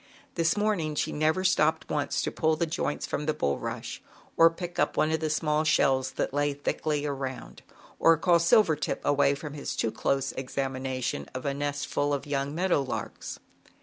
77 This morning she never stopped once to pull the joints from the bulrush, or pick up one of the small shells that lay thickly around, or call Silvertip away from his too close examination of a nest full of young meadow larks.